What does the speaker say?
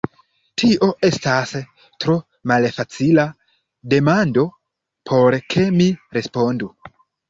Tio estas tro malfacila demando por ke mi respondu.